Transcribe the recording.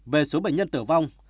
về số bệnh nhân tử vong